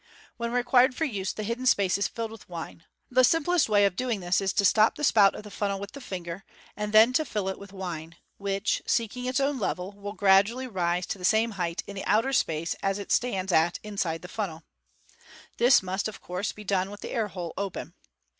When required for use, the hidden space is filled with wine. The simplest way of doing this is to stop the spout of the funnel with the finger, and then to fill it with wine, which, seeking its own level, will gradually rise to the same height in the outer space as it stands at inside the funnel. This must, of course, be done with the air hole open.